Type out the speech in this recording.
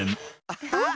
アハッ！